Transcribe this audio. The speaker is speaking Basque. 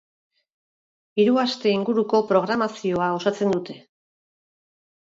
Hiru aste inguruko programazioa osatzen dute.